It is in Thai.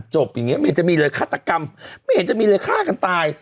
อย่างเงี้ไม่เห็นจะมีเลยฆาตกรรมไม่เห็นจะมีเลยฆ่ากันตาย